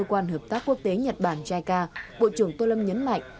từ cơ quan hợp tác quốc tế nhật bản jica bộ trưởng tô lâm nhấn mạnh